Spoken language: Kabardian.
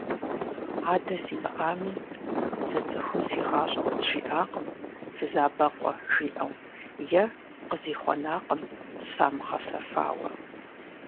Адэ симыӀами, зы цӀыхум си гъащӀэм къызжиӀакъым фызабэкъуэ жиӀэу, е къызихъуэнакъым самыгъэсэфауэ.